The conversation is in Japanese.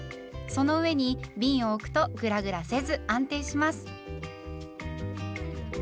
その上にびんを置くとグラグラせず安定します。